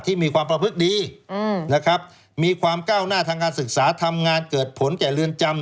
มีความประพฤติดีนะครับมีความก้าวหน้าทางการศึกษาทำงานเกิดผลแก่เรือนจำ